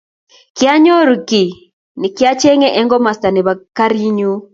Kianyoru kiy nekichenge eng komasta nebo karinyu